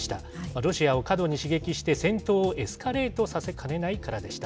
ロシアを過度に刺激して、戦闘をエスカレートさせかねないからでした。